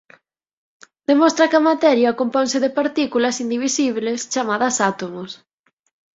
Demostra que a materia componse de partículas indivisibles chamadas átomos.